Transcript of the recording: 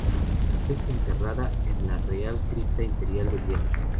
Fue enterrada en la Real Cripta Imperial de Viena.